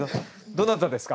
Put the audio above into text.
どなたですか？